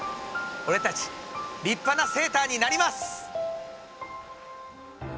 俺たち立派なセーターになります！